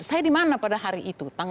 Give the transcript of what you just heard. saya di mana pada hari itu